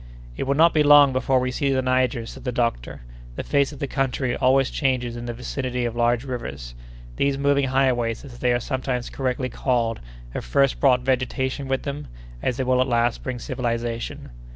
"It will not be long before we see the Niger," said the doctor. "The face of the country always changes in the vicinity of large rivers. These moving highways, as they are sometimes correctly called, have first brought vegetation with them, as they will at last bring civilization.